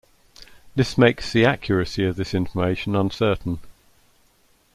This makes the accuracy of this information uncertain.